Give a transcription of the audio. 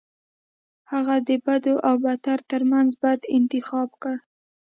هغوی د بد او بدتر ترمنځ بد انتخاب کړي.